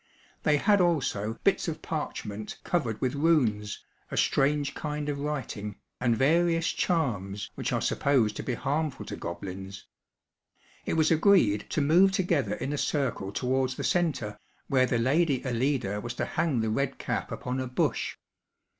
They had also bits of parchment covered with runes, a strange kind of writing, and various charms which are supposed to be harmful to goblins. It was agreed to move together in a circle towards the centre, where the lady Alida was to hang the red cap upon a bush.